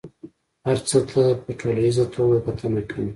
هر څه ته په ټوليزه توګه کتنه کوي.